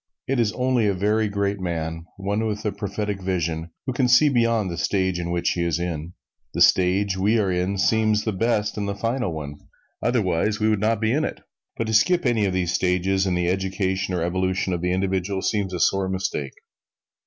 It is only a very great man one with a prophetic vision who can see beyond the stage in which he is. The stage we are in seems the best and the final one otherwise, we would not be in it. But to skip any of these stages in the education or evolution of the individual seems a sore mistake.